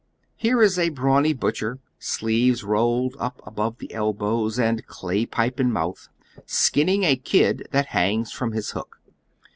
Here is a brawny biitclier, sleeves rolled iip above the el bows and clay pipe in moutli, skimiing a kid tliat hangs from ills hook.